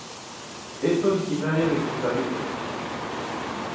Es originaria de Costa Rica.